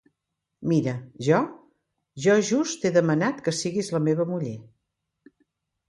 Mira, jo, jo just t'he demanat que siguis la meva muller.